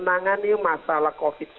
hanya nah nah nah ya tentu ya